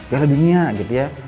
ya lebihnya gitu ya